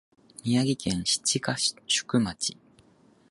宮城県七ヶ宿町